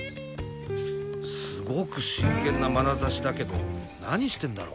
すごく真剣なまなざしだけど何してるんだろ？